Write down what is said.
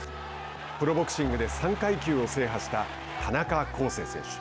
プロボクシングで３階級を制覇した田中恒成選手。